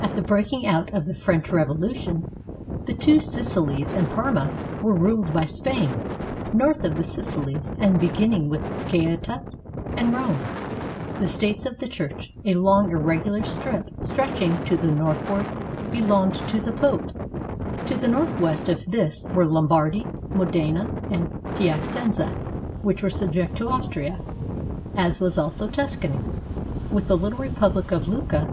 At the breaking out of the French Revolution, the Two Sicilies and Parma were ruled by Spain; north of the Sicilies and beginning with Gaeta and Rome, the States of the Church, a long, irregular strip stretching to the northward, belonged to the Pope; to the northwest of this were Lom bardy, Modena, and Piacenza, which were subject to Aus tria, as was also Tuscany, with the little republic of Lucca.